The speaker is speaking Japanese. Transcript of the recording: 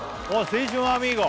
「青春アミーゴ」